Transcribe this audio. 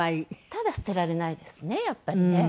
ただ捨てられないですねやっぱりね。